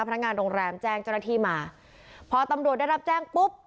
พนักงานโรงแรมแจ้งเจ้าหน้าที่มาพอตำรวจได้รับแจ้งปุ๊บ